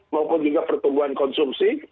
maupun juga pertumbuhan konsumsi